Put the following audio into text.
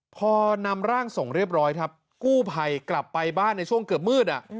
พอนำร่างส่งเรียบร้อยครับกู้ภัยกลับไปบ้านในช่วงเกือบมืด